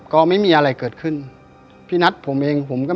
พวกเราก็ไปไปถึงก็สักประมาณสัก๒ทุ่มครึ่งหรือ๓ทุ่มอันนี้จำไม่แม่นนะครับ